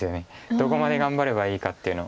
どこまで頑張ればいいかっていうの。